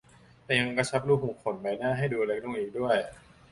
แต่ยังกระชับรูขุมขนบนใบหน้าให้ดูเล็กลงอีกด้วย